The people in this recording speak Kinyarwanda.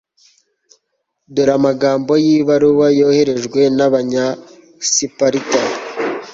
dore amagambo y'ibaruwa yoherejwe n'abanyasiparita